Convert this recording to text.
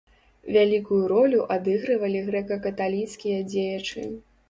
Вялікую ролю адыгрывалі грэка-каталіцкія дзеячы.